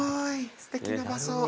すてきな場所。